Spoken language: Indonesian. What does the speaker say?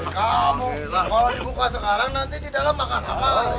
kalo di buka sekarang nanti di dalam makan apa lagi